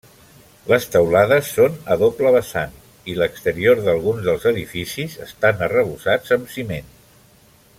Les teulades són a doble vessant i l'exterior d'alguns dels edificis estan arrebossats amb ciment.